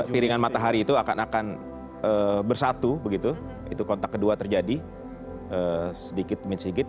piringan matahari itu akan bersatu begitu itu kontak kedua terjadi sedikit demi sigit